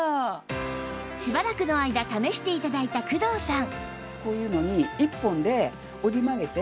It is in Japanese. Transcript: しばらくの間試して頂いた工藤さん